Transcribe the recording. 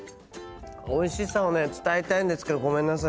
おいしさをね伝えたいんですけどごめんなさい。